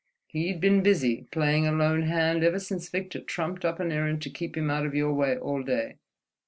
He'd been busy, playing a lone hand, ever since Victor trumped up an errand to keep him out of your way all day.